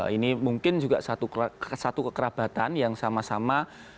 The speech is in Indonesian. ini mungkin juga satu kekerabatan yang sama sama